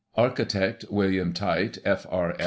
Architect, William Tite, F.R.